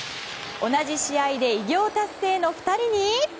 同じ試合で偉業達成の２人に。